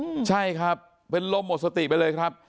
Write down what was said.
อืมใช่ครับเป็นลมหมดสติไปเลยครับ